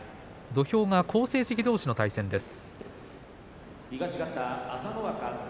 土俵が好成績どうしの対戦です。